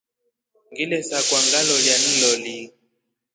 Ngile saakwa ngalolia nloli.